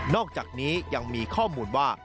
อกจากนี้ยังมีข้อมูลว่า